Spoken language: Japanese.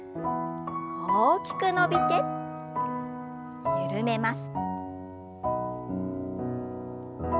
大きく伸びて緩めます。